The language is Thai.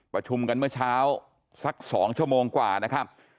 ประชุมกันเมื่อเช้าสัก๒ชั่วโมงกว่านะครับ